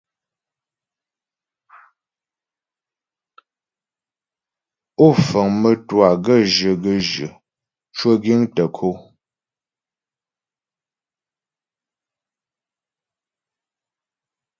Ó fəŋ mə́twâ gaə́jyə gaə́jyə cwə giŋ tə ko.